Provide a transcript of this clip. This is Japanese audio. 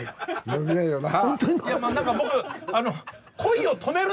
伸びないよなあ。